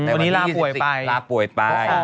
วันนี้ลาป่วยไปเพราะพ่อเหรอ